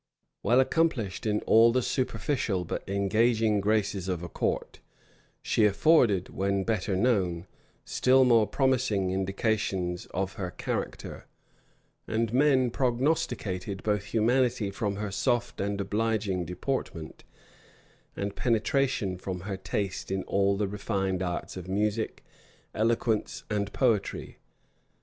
Well accomplished in all the superficial but engaging graces of a court, she afforded, when better known, still more promising indications of her character; and men prognosticated both humanity from her soft and obliging deportment, and penetration from her taste in all the refined arts of music, eloquence, and poetry.